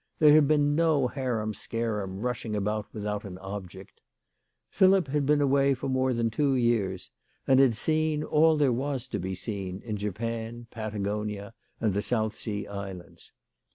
There had been no harum scarum rushing about without an object. Philip had been away for more than two years, and had seen all there was to be seen in Japan, Patagonia, and th<3 South Sea Islands.